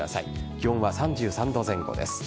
気温は３３度前後です。